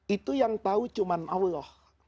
itu yang tahu cuma allah